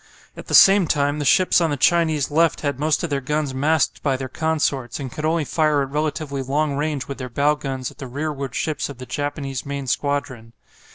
At the same time the ships on the Chinese left had most of their guns masked by their consorts, and could only fire at relatively long range with their bow guns at the rearward ships of the Japanese main squadron.